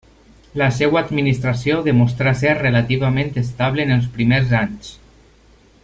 La seua administració demostrà ser relativament estable en els primers anys.